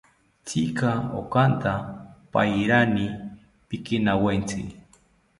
Tzika okanta pairani pikinawetzi